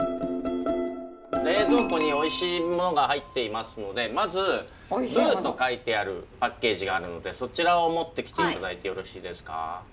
冷蔵庫においしいものが入っていますのでまず「ぶー」と書いてあるパッケージがあるのでそちらを持ってきて頂いてよろしいですか？